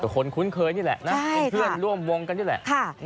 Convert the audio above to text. คนคุ้นเคยนี่แหละนะเป็นเพื่อนร่วมวงกันนี่แหละ